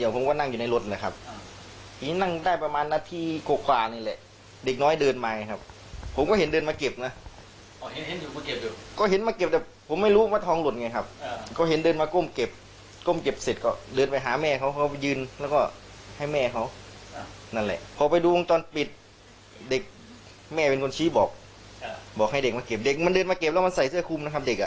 พบไปดูวงก์ตอนปิดแม่เป็นคนชี้บอกบอกให้เด็กมาเก็บเด็กเดินมาเก็บแล้วใส่เสื้อคุม